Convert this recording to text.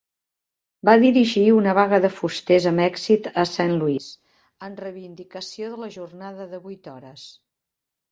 Va dirigir una vaga de fusters amb èxit a Saint Louis en reivindicació de la jornada de vuit hores.